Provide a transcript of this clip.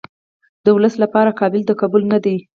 د ولس لپاره قابل د قبول نه دي.